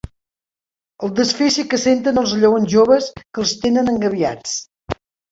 El desfici que senten els lleons joves que els tenen engabiats